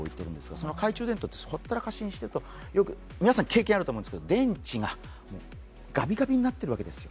その懐中電灯をほったらかしにしておくと、皆さん経験あると思いますが、よく、電池がガビガビになってるわけですよ。